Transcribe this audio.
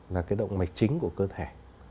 là cái động mạch chính của cơ thể